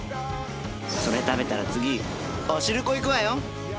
それ食べたら次お汁粉行くわよ。